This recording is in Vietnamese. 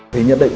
thì nhận định